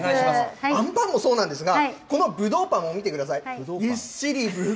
あんパンもそうなんですが、このぶどうパンも見てください。